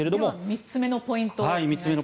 ３つ目のポイント